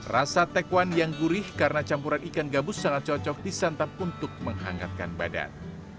rasa taekwon yang gurih karena campuran ikan gabus sangat cocok disantap untuk menghangatkan badan